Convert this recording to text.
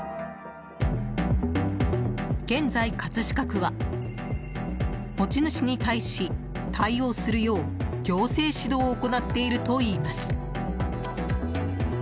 現在、葛飾区は持ち主に対し、対応するよう行政指導を行っているといいます。